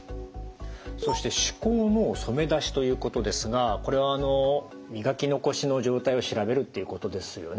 そして歯垢の染め出しということですがこれはあの磨き残しの状態を調べるっていうことですよね。